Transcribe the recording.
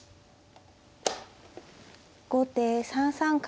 後手３三角。